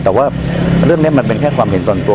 แต่ว่าเรื่องนี้มันเป็นแค่ความเห็นส่วนตัว